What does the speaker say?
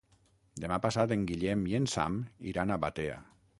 Demà passat en Guillem i en Sam iran a Batea.